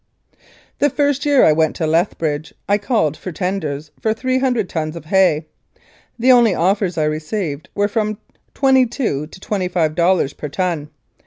The first year I went to Lethbridge I called for tenders for 300 tons of hay. The only offers I received were from twenty two to twenty five dollars per ton.